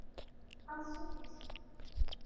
Ansuf yis-wen!